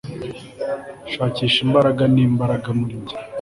shakisha imbaraga n'imbaraga muri njye